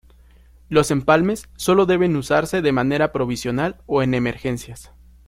Los empalmes sólo deben usarse de manera provisional o en emergencias.